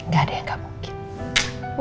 gak ada yang gak mungkin